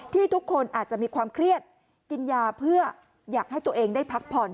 ทุกคนอาจจะมีความเครียดกินยาเพื่ออยากให้ตัวเองได้พักผ่อน